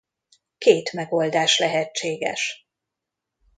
Két megoldás lehetséges.